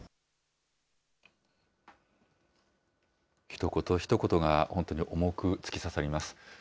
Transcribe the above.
ひと言、ひと言が本当に重く突き刺さります。